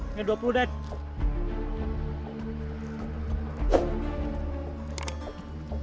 ini ada dua puluh den